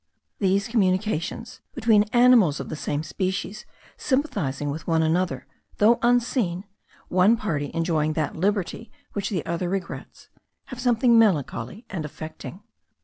These communications between animals of the same species sympathizing with one another, though unseen, one party enjoying that liberty which the other regrets, have something melancholy and affecting.